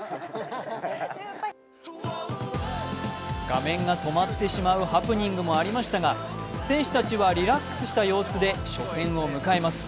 画面が止まってしまうハプニングもありましたが、選手たちはリラックスした様子で、初戦を迎えます。